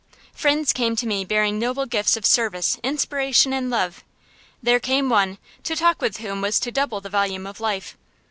Friends came to me bearing noble gifts of service, inspiration, and love. There came one, to talk with whom was to double the volume of life.